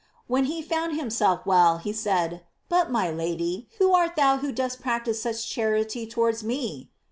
When he found himself well, he said: "But, my Lady, who art thou who dost practise euch charity towards me?"